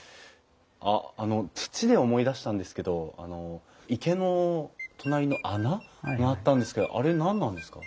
あっあの土で思い出したんですけどあの池の隣の穴があったんですけどあれ何なんですか？